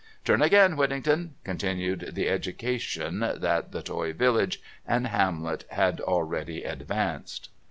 "Turn again, Whittington" continued the education that the Toy Village and Hamlet had already advanced.